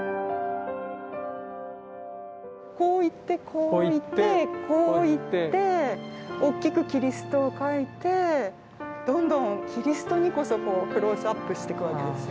こういってこういってこういっておっきくキリストを描いてどんどんキリストにこそこうクローズアップしてくわけですよね。